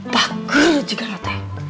bagel juga ya teh